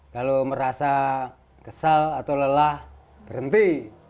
kalau merasa kesal atau lelah berhenti